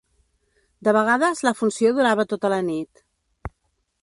De vegades la funció durava tota la nit